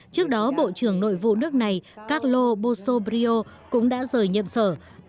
trước đó bộ trưởng nội vụ nước này carlo bosobrio cũng đã rời nhiệm sở